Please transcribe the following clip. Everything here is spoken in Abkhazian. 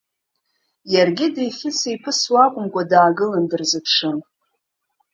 Иаргьы, деихьыс-еиԥысуа акәымкәа, даагылан дырзыԥшын.